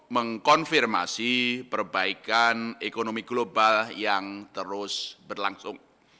mengkonfirmasi perbaikan ekonomi global yang terus berlangsung